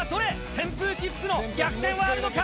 扇風機服の逆転はあるのか。